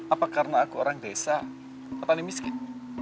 apa karena aku orang desa petani miskin